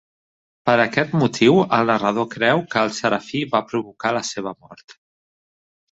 Per aquest motiu el narrador creu que el serafí va provocar la seva mort.